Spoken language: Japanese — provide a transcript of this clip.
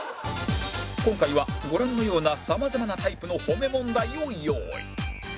今回はご覧のような様々なタイプの褒め問題を用意